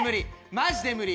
マジで無理！